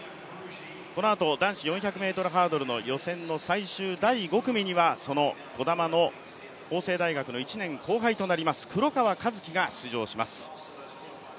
このあと男子４００ｍハードルの予選の最終第５組にはその児玉の、法政大学の１年後輩となります、黒川和樹が出場します。